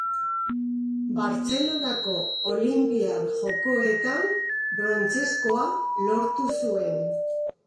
Bartzelonako Olinpiar Jokoetan brontzezkoa lortu zuen.